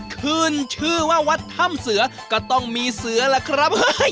ขึ้นชื่อว่าวัดถ้ำเสือก็ต้องมีเสือล่ะครับ